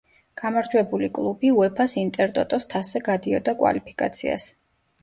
გამარჯვებული კლუბი, უეფა-ს ინტერტოტოს თასზე გადიოდა კვალიფიკაციას.